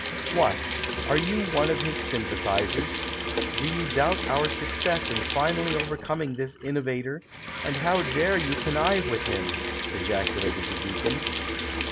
"What! are you one of his sympathizers? Do you doubt our success in finally overcoming this innovator, and how dare you connive with him V " ejaculated the deacon.